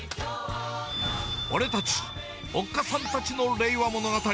俺たち、おっかさんたちの令和物語。